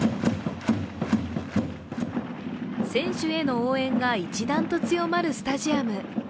選手への応援が一段と強まるスタジアム。